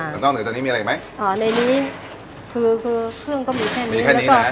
ค่ะน้องหนูตอนนี้มีอะไรอีกไหมอ่อในนี้คือคือเครื่องก็มีแค่นี้มีแค่นี้นะฮะ